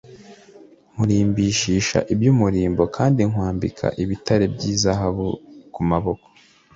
Nkurimbishisha iby’umurimbo kandi nkwambika ibitare by’izahabu ku maboko